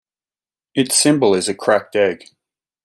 Its symbol is a cracked egg.